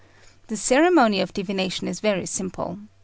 The ceremony of divination is very simple.